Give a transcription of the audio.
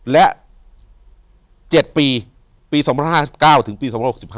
และ๗ปีปี๒๕๙ถึงปี๒๖๕